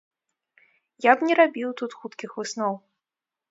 Я б не рабіў тут хуткіх высноў.